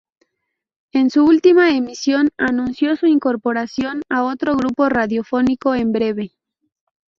En su última emisión, anunció su incorporación a otro grupo radiofónico en breve.